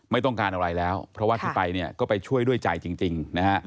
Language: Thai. ไม่ต้องการอะไรแล้วเพราะว่าถ้าไปก็ไปช่วยด้วยใจจริง